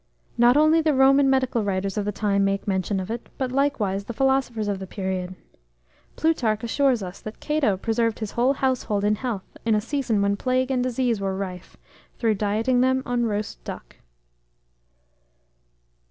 Not only the Roman medical writers of the time make mention of it, but likewise the philosophers of the period. Plutarch assures us that Cato preserved his whole household in health, in a season when plague and disease were rife, through dieting them on roast duck.